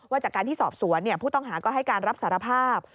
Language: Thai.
จากการที่สอบสวนผู้ต้องหาก็ให้การรับสารภาพ